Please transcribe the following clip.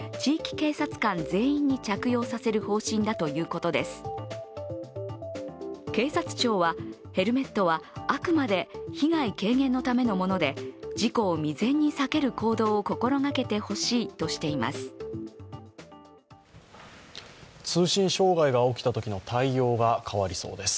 警察庁はヘルメットはあくまで被害軽減のためのもので事故を未然に避ける行動を心がけてほしいとしています。